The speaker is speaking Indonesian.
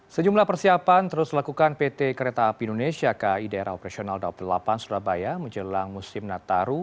sejumlah persiapan terus dilakukan pt kereta api indonesia ke i dua puluh delapan surabaya menjelang musim nataru